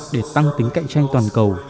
để tăng tính cạnh tranh toàn cầu